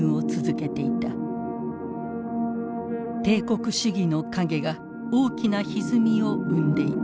帝国主義の影が大きなひずみを生んでいた。